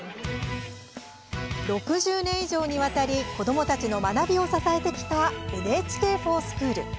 ６０年以上にわたり子どもたちの学びを支えてきた「ＮＨＫｆｏｒＳｃｈｏｏｌ」。